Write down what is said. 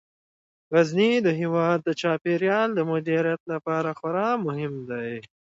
غزني د هیواد د چاپیریال د مدیریت لپاره خورا مهم دی.